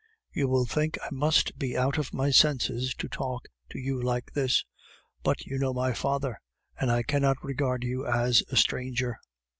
You will think I must be out of my senses to talk to you like this; but you know my father, and I cannot regard you as a stranger."